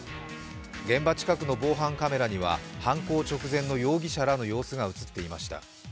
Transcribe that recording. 現場近くの防犯カメラには犯行直前の容疑者らの様子が映っていました。